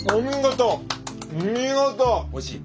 おいしい？